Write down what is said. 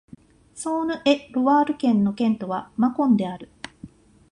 ソーヌ＝エ＝ロワール県の県都はマコンである